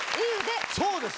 そうです。